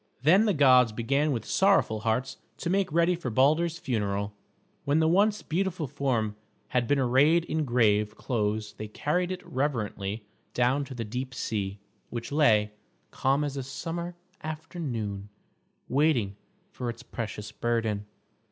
Then the gods began with sorrowful hearts to make ready for Balder's funeral. When the once beautiful form had been arrayed in grave clothes they carried it reverently down to the deep sea, which lay, calm as a summer afternoon, waiting for its precious burden.